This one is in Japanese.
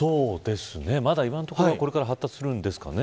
まだ今のところこれから発達するんですかね。